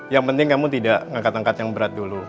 yang penting kamu tidak ngekat ngkat yang berat dulu